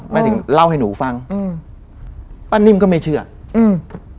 ถึงเล่าให้หนูฟังอืมป้านิ่มก็ไม่เชื่ออืม